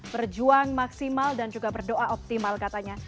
berjuang maksimal dan juga berdoa optimal katanya